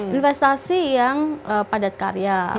investasi yang padat karya